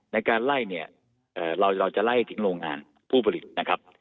ในการไล่เนี่ยเราจะไล่ถึงโรงงานผู้ผลิตนะครับ